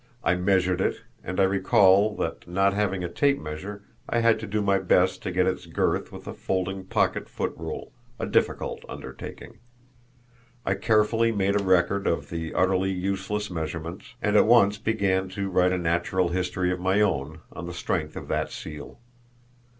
I measured it, and I recall that, not having a tape measure, I had to do my best to get its girth with a folding pocket foot rule, a difficult undertaking. I carefully made a record of the utterly useless measurements, and at once began to write a natural history of my own, on the strength of that seal.